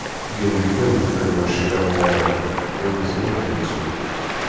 Gen di talwit a gma Cirani Ali, d awezɣi ad k-nettu!